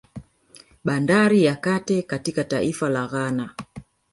Bandari ya Kate katika taifa la Ghana